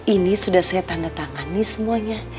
ini sudah saya tanda tangan nih semuanya